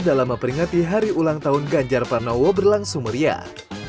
dalam memperingati hari ulang tahun ganjar pranowo berlangsung meriah